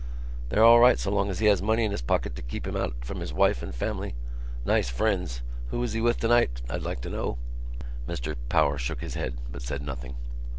They're all right so long as he has money in his pocket to keep him out from his wife and family. Nice friends! Who was he with tonight, I'd like to know?" Mr Power shook his head but said nothing.